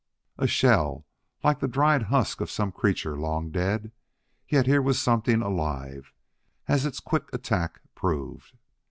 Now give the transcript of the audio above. A shell, like the dried husk of some creature long dead! yet here was something alive, as its quick attack proved.